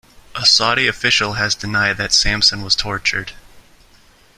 A Saudi official has denied that Sampson was tortured.